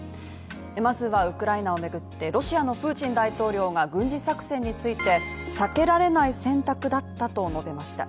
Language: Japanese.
まずはウクライナを巡ってロシアのプーチン大統領が軍事作戦について、避けられない選択だったと述べました。